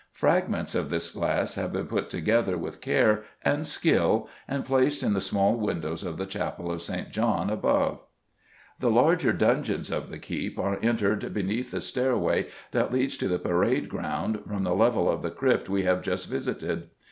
Fragments of this glass have been put together with care and skill and placed in the small windows of the Chapel of St. John, above. The larger dungeons of the Keep are entered beneath the stairway that leads to the parade ground from the level of the crypt we have just visited.